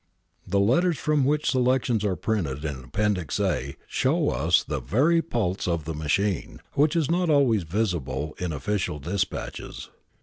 The letters from which selections are printed in Appendix A show us ' the very pulse of the machine,' which is not always visible in the official dispatches.